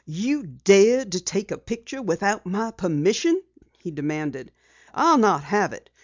"You dared to take a picture without my permission?" he demanded. "I'll not have it!